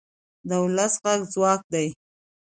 د ولس غږ ځواک دی